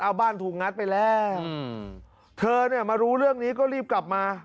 เอาบ้านถูกงัดไปแล้วอืมเธอเนี่ยมารู้เรื่องนี้ก็รีบกลับมา